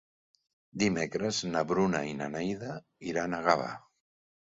Dimecres na Bruna i na Neida iran a Gavà.